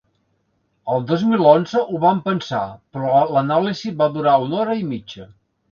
El dos mil onze ho vam pensar, però l’anàlisi va durar una hora i mitja.